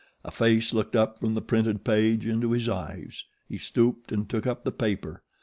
A face looked up from the printed page into his eyes. He stooped and took up the paper.